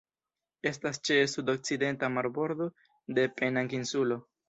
Estas ĉe sudokcidenta marbordo de Penang-insulo.